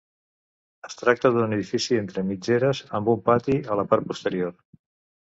Es tracta d'un edifici entre mitgeres amb un pati a la part posterior.